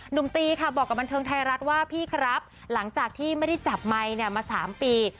ตีค่ะบอกกับบันเทิงไทยรัฐว่าพี่ครับหลังจากที่ไม่ได้จับไมค์เนี่ยมา๓ปี